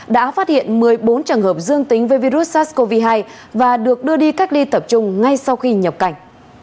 đã phát hiện một mươi bốn trường hợp dương tính với virus sars cov hai và được đưa đi cách ly tập trung ngay sau khi nhập cảnh